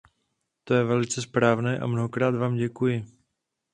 To je velice správné a mnohokrát vám děkuji.